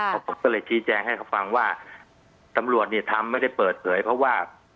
เพราะผมก็เลยชี้แจงให้เขาฟังว่าตำรวจเนี่ยทำไม่ได้เปิดเผยเพราะว่า